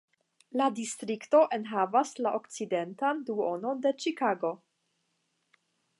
La distrikto enhavas la okcidentan duonon de Ĉikago.